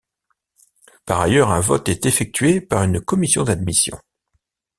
Par ailleurs un vote est effectué par une commission d'admission.